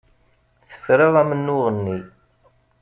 Tefra amennuɣ-nni.